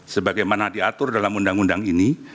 sebagaimana diatur dalam undang undang ini